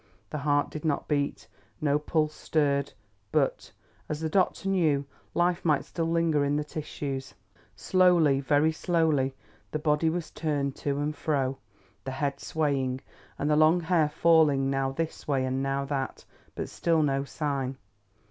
The heart did not beat, no pulse stirred; but, as the doctor knew, life might still linger in the tissues. Slowly, very slowly, the body was turned to and fro, the head swaying, and the long hair falling now this way and now that, but still no sign.